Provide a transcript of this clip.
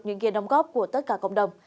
những ghiền đóng góp của tất cả cộng đồng